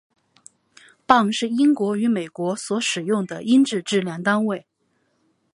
磅是英国与美国所使用的英制质量单位。